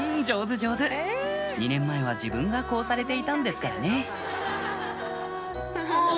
上手上手２年前は自分がこうされていたんですからね